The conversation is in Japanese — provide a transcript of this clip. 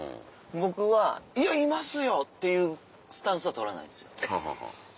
僕は「いやいますよ！」っていうスタンスはとらないんです。